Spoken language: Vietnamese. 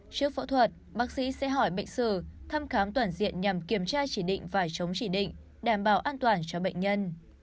trước phẫu thuật bác sĩ sẽ hỏi bệnh sử thăm khám toàn diện nhằm kiểm tra chỉ định và chống chỉ định đảm bảo an toàn cho bệnh nhân